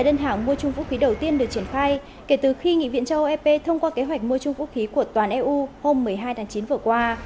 đơn hàng mua chung vũ khí đầu tiên được triển khai kể từ khi nghị viện châu âu ep thông qua kế hoạch mua chung vũ khí của toàn eu hôm một mươi hai tháng chín vừa qua